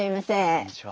こんにちは。